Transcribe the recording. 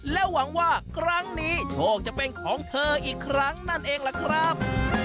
และหวังว่าครั้งนี้โชคจะเป็นของเธออีกครั้งนั่นเองล่ะครับ